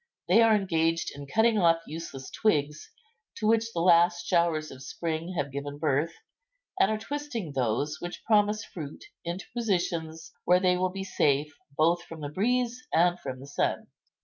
They are engaged in cutting off useless twigs to which the last showers of spring have given birth, and are twisting those which promise fruit into positions where they will be safe both from the breeze and from the sun.